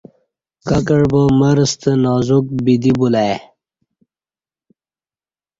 کہ کعبا مر ستہ نازک بدی بلہ ای